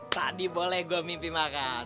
tadi boleh gue mimpi makan